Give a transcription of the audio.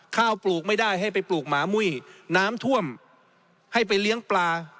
ปลูกไม่ได้ให้ไปปลูกหมามุ้ยน้ำท่วมให้ไปเลี้ยงปลา